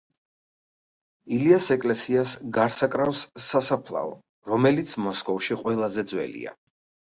ილიას ეკლესიას გარს აკრავს სასაფლაო, რომელიც მოსკოვში ყველაზე ძველია.